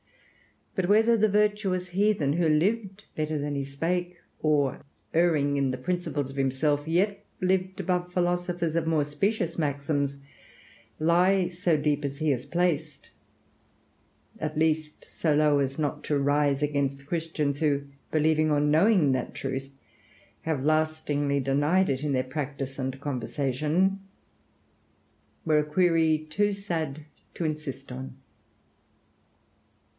But whether the virtuous heathen, who lived better than he spake, or, erring in the principles of himself, yet lived above philosophers of more specious maxims, lie so deep as he is placed; at least so low as not to rise against Christians who, believing or knowing that truth, have lastingly denied it in their practice and conversation were a query too sad to insist on.